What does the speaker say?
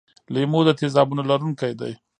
لیمو د تیزابونو لرونکی دی.